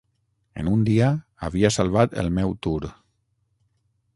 En un dia, havia salvat el meu Tour.